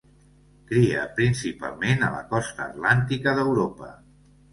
Cria principalment a la costa atlàntica d'Europa.